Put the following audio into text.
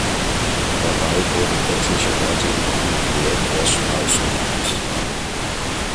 Dabei wurden etliche Orte in Brandenburg erstmals genannt.